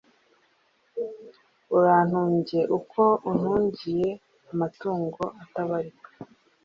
Urantunge uko unturiyeMatungo atabarika,